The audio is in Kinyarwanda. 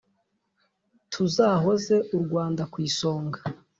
tuzahoze u rwanda ku isonga